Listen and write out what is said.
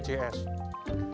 di surabaya sendiri